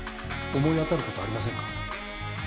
思い当たる事ありませんか？